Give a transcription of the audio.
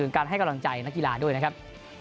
ครับจะน้ำจ่ายนักกีฬาด้วยนะครับ